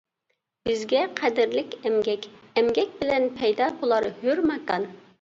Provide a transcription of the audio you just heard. بىزگە قەدىرلىك ئەمگەك، ئەمگەك بىلەن پەيدا بولار ھۆر ماكان.